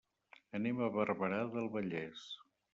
Anem a Barberà del Vallès.